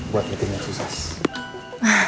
buat meeting yang susah